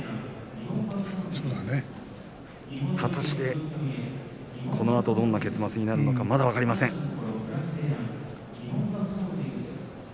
果たして、このあとどんな結末になるのかまだ分かりません。